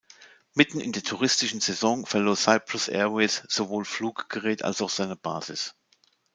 Mitten in der touristischen Saison verlor Cyprus Airways sowohl Fluggerät als auch seine Basis.